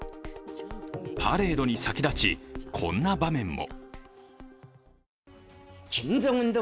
パレードに先立ち、こんな場面も。